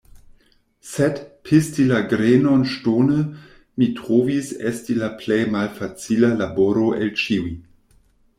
Sed, pisti la grenon ŝtone, mi trovis esti la plej malfacila laboro el ĉiuj.